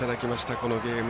このゲーム。